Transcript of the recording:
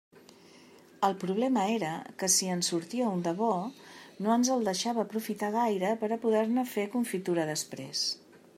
El problema era que si en sortia un de bo, no ens el deixava aprofitar gaire per a poder-ne fer confitura després.